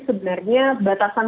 saya sudah mengingatkan pada saat ini